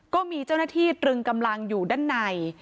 ก็มีเจ้าหน้าที่ตรึงกำลังอยู่ด้านใน